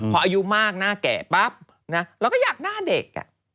พออายุมากหน้าแก่ปั๊บนะเราก็อยากหน้าเด็ก